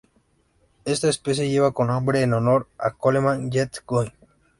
Esta especie lleva el nombre en honor a Coleman Jett Goin.